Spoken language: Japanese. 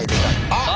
あっ！